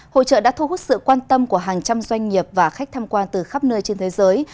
hội trợ đã thu hút sự quan tâm của hàng trăm doanh nghiệp và khách tham quan từ khắp nơi trên thế giới